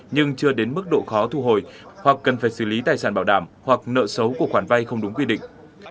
nhưng chưa đến mức độ khó thu hồi hoặc cần phải xử lý tài sản bảo đảm hoặc nợ xấu của khoản vay không đúng quy định